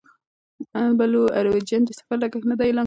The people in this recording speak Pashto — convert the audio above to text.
بلو اوریجن د سفر لګښت نه دی اعلان کړی.